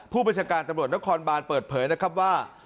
ผู้บัญชาการตำรวจนครบานเปิดเผยนะครับว่า